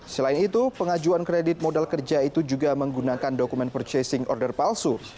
selain itu pengajuan kredit modal kerja itu juga menggunakan dokumen purchasing order palsu